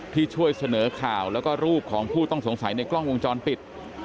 ที่ช่วยเสนอข่าวแล้วก็รูปของผู้ต้องสงสัยในกล้องวงจรปิด